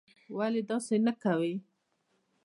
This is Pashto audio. ولي داسې نه کوې?